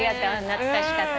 懐かしかった。